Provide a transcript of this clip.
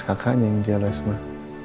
kakaknya yang jeles mah